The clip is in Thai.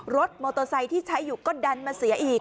รถโมโตไซต์ที่ใช้อยู่ก็ดันมาเสียอีก